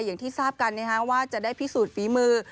อย่างที่ทราบกันว่าจะได้พิสูจน์ฝีมือ